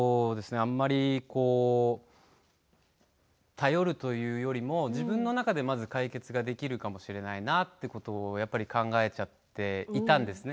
あんまり頼るというよりも自分の中でまず解決ができるかもしれないなということを考えちゃっていたんですね。